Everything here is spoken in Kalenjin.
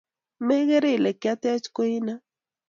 Megere ile kiatech koino?